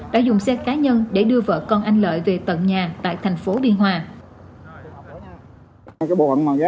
đã dùng xe cá nhân để đưa vợ con anh lợi về tận nhà tại tp biên hòa